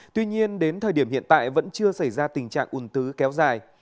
tuy nhiên đến thời điểm hiện tại vẫn chưa xảy ra tình trạng ủn tứ kéo dài